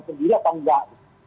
tidak sendiri atau enggak